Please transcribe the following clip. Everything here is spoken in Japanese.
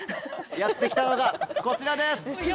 やって来たのがこちらです！